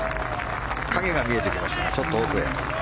影が見えてきましたがちょっと奥へ。